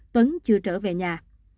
tuấn chưa trở về nhà